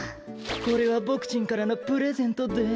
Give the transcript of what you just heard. これはボクちんからのプレゼントです。